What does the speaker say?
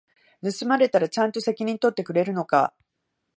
盗まれたらちゃんと責任取ってくれるのか？